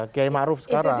kiai ma'ruf sekarang